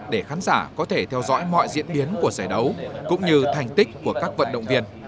để khán giả có thể theo dõi mọi diễn biến của giải đấu cũng như thành tích của các vận động viên